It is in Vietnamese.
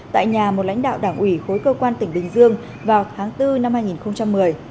tại nhà một lãnh đạo đảng ủy khối cơ quan tỉnh bình dương vào tháng bốn năm hai nghìn một mươi